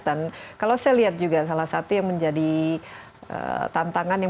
dan kalau saya lihat juga salah satu yang menjadi yang paling menarik adalah juga yang yang